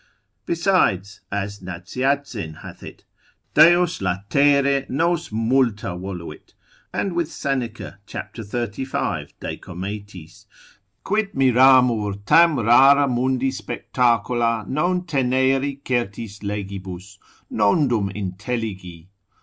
Besides (as Nazianzen hath it) Deus latere nos multa voluit; and with Seneca, cap. 35. de Cometis, Quid miramur tam rara mundi spectacula non teneri certis legibus, nondum intelligi?